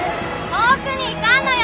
遠くに行かんのよ！